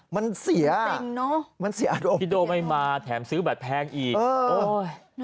มันเสียมันเสียอารมณ์พิโดไม่มาแถมซื้อบัตรแพงอีกโอ๊ยโอ๊ยโอ๊ย